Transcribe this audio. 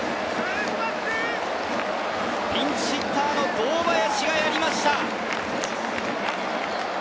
ピンチヒッター・堂林がやりました！